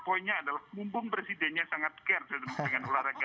poinnya adalah mumpung presidennya sangat care dengan olahraga